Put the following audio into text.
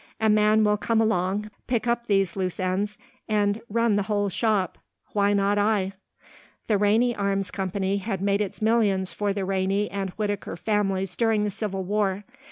"A man will come along, pick up these loose ends, and run the whole shop. Why not I?" The Rainey Arms Company had made its millions for the Rainey and Whittaker families during the Civil War.